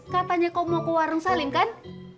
katanya kau mau ke warung salim kan